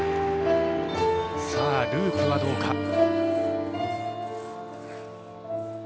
ループはどうか。